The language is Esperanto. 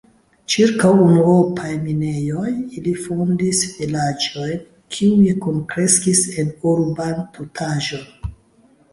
Ĉirkaŭ unuopaj minejoj ili fondis vilaĝojn, kiuj kunkreskis en urban tutaĵon.